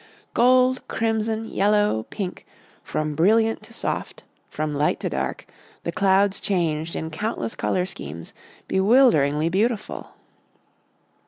Gold, crimson, yellow, pink, from brilliant to soft, from light to dark, the clouds changed in countless colour schemes, bewilderingly beauti ful.